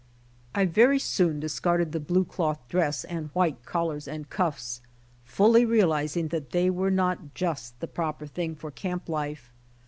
I very soon discarded the blue cloth dress and white collars and cuffs, fully realizing that they were not just the proper thing for camp life.